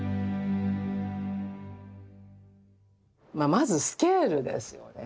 まずスケールですよね。